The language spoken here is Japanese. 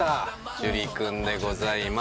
樹君でございます。